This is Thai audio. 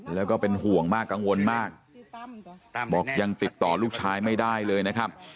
แล้วก็เป็นห่วงมากกังวลมากบอกยังติดต่อลูกชายไม่ได้เลยนะครับ